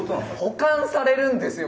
保管されるんですよ